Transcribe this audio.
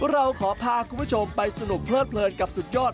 เราขอพาคุณผู้ชมไปสนุกเลิดเลินกับสุดยอด